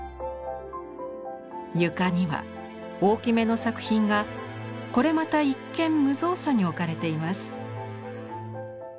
床には大きめの作品がこれまた一見無造作に置かれています。